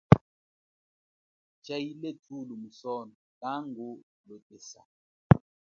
Chaile thulo musono kangu lotesa.